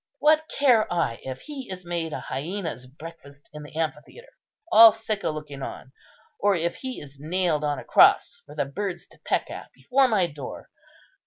What care I if he is made a hyæna's breakfast in the amphitheatre, all Sicca looking on, or if he is nailed on a cross for the birds to peck at before my door?